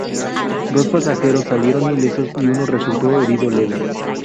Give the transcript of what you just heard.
Dos pasajeros salieron ilesos y uno resultó herido leve.